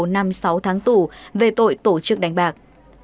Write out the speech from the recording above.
một năm sáu tháng tù về tội tổ chức đánh bạc